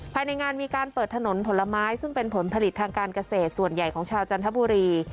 ภายในงานมีการเปิดถนนผลไม้ซึ่งเป็นผลผลิตทางการเกษตรส่วนใหญ่ของชาวจันทบุรี